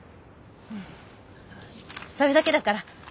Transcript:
それだけだから。